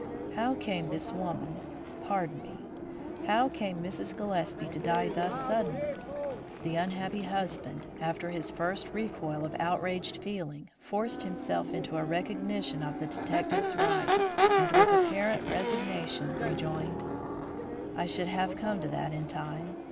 "How came this woman pardon me, how came Mrs. Gillespie to die thus suddenly?" The unhappy husband, after his first recoil of outraged feeling, forced himself into a recognition of the detective's rights, and, with apparent resignation, rejoined: "I should have come to that in time.